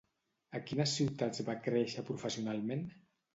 A quines ciutats va créixer professionalment?